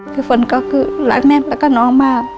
ฝนก็คือรักแม่แล้วก็น้องมาก